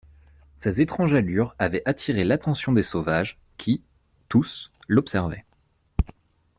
Ses étranges allures avaient attiré l'attention des sauvages, qui, tous, l'observaient.